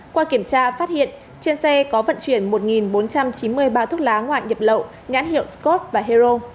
qua kiểm tra phát hiện trên xe có vận chuyển một bốn trăm chín mươi ba thuốc lá ngoại nhập lậu ngãn hiệu scot và hero